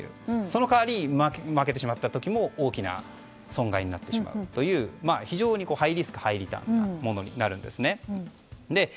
その代わり負けてしまった時も大きな損害になるという非常にハイリスクハイリターンなものになるんです。